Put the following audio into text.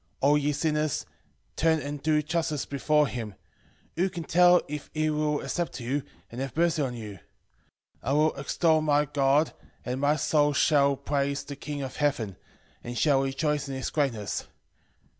O ye sinners, turn and do justice before him: who can tell if he will accept you, and have mercy on you? 13:7 I will extol my God, and my soul shall praise the King of heaven, and shall rejoice in his greatness.